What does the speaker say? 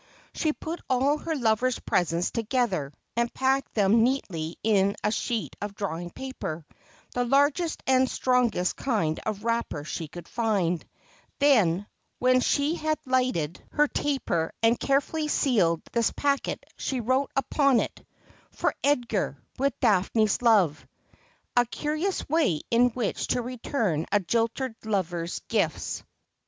She put all her lover's presents together, and packed them neatly in a sheet of drawing paper, the largest and strongest kind of wrapper she could find. Then, when she had lighted 'Is there no Grace? is there no Remedie?' 359 her taper and carefully sealed this packet, she wrote upon it :' For Edgar, with Daphne's love '— a curious way in which to return a jilted lover's gifts.